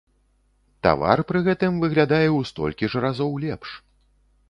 Тавар пры гэтым выглядае ў столькі ж разоў лепш.